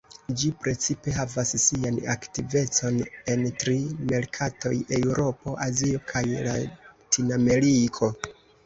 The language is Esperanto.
Ĝi precipe havas sian aktivecon en tri merkatoj: Eŭropo, Azio kaj Latinameriko.